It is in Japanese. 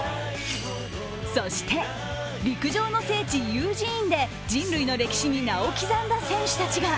そして陸上の聖地ユージーンで人類の歴史に名を喜山だ選手たちが。